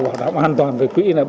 bảo đảm an toàn về quỹ